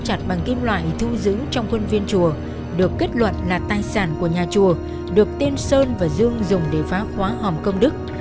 về con dao chặt bằng kim loại thu giữ trong khuôn viên chùa được kết luận là tài sản của nhà chùa được tên sơn và dương dùng để phá hóa hòm công đức